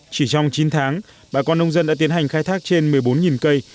chỉ trong chín tháng bà con nông dân đã tiến hành khai thác trên một mươi bốn cây